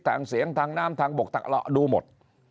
ทางเสียงทางน้ำทางบกตะละดูหมด